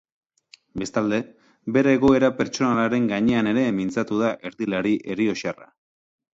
Bestalde, bere egoera pertsonalaren gainean ere mintzatu da erdilari erioxarra.